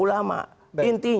ini waktu kesempatan ini